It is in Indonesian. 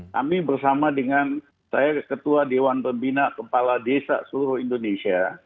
kami bersama dengan saya ketua dewan pembina kepala desa seluruh indonesia